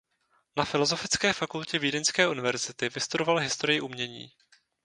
Na filozofické fakultě Vídeňské univerzity vystudoval historii umění.